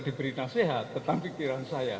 diberi nasihat tentang pikiran saya